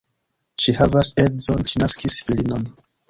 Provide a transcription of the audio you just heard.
Ŝi havas edzon, ŝi naskis filinon.